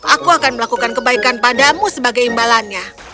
aku akan melakukan kebaikan padamu sebagai imbalannya